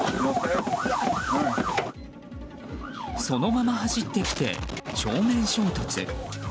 そのまま走ってきて、正面衝突。